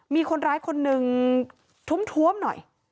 มีคนร้ายคนหนึ่งท้วมหน่อย